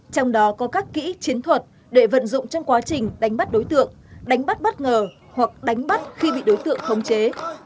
trong đó có các kỹ chiến thuật để vận dụng trong quá trình đánh bắt đối tượng đánh bắt bất ngờ hoặc đánh bắt khi bị đối tượng khống chế